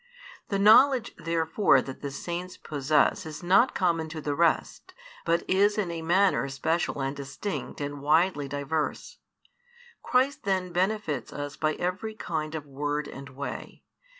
The knowledge therefore that the Saints possess is not common to the rest, but is in a manner special and distinct and widely diverse. Christ then benefits us by every kind of word and way.